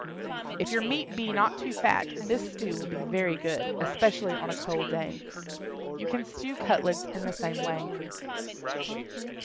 If your meat be not too fat, this stew will be very good, especially on a cold day. You can stew cutlets in the same way.